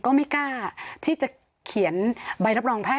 ก็ไม่กล้าที่จะเขียนใบรับรองแพทย